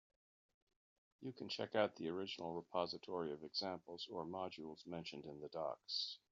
You can check out the original repository of examples or modules mentioned in the docs.